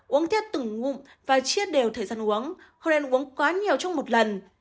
uống thêm từng ngụm và chia đều thời gian uống không nên uống quá nhiều trong một lần